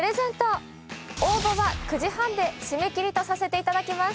応募は９時半で締め切りとさせて頂きます。